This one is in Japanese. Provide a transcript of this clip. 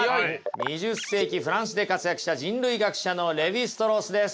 ２０世紀フランスで活躍した人類学者のレヴィ＝ストロースです。